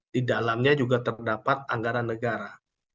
di dalamnya juga terdapat anggaran negara